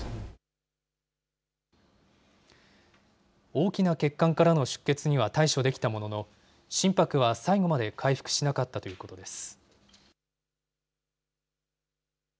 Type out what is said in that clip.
大きな血管からの出血には対処できたものの、心拍は最後まで回復しなかったということです。